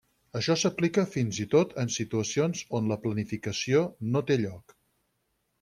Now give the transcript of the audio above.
Això s'aplica fins i tot en situacions on la planificació no té lloc.